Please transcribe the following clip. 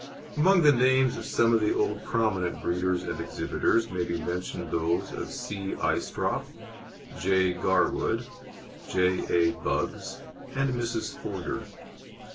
Among the names of some old prominent breeders and exhibitors may be mentioned those of C. Aistrop, J. Garwood, J. A. Buggs, and Mrs. Forder.